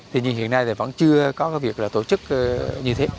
thế nhưng hiện nay thì vẫn chưa có cái việc là tổ chức như thế